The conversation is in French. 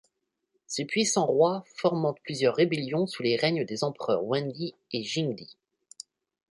Ces puissants rois fomentent plusieurs rébellions sous les règnes des empereurs Wendi et Jingdi.